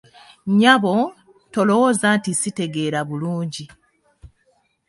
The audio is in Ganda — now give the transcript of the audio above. Nnyabo, tolowooza nti sitegeera bulungi.